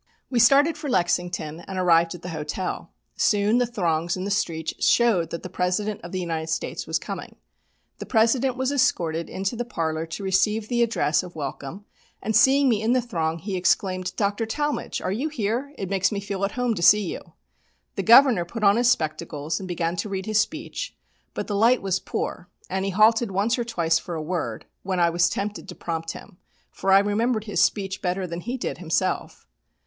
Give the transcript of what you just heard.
We started for Lexington and arrived at the hotel. Soon the throngs in the streets showed that the President of the United States was coming. The President was escorted into the parlour to receive the address of welcome, and seeing me in the throng, he exclaimed, "Dr. Talmage! Are you here? It makes me feel at home to see you." The Governor put on his spectacles and began to read his speech, but the light was poor, and he halted once or twice for a word, when I was tempted to prompt him, for I remembered his speech better than he did himself.